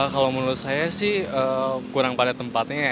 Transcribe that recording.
kalau menurut saya sih kurang pada tempatnya ya